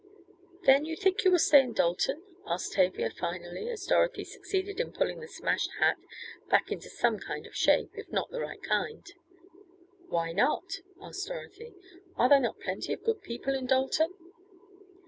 "Then you think you will stay in Dalton?" asked Tavia, finally, as Dorothy succeeded in pulling the smashed hat back into some kind of shape, if not the right kind. "Why not?" asked Dorothy. "Are there not plenty of good people in Dalton?"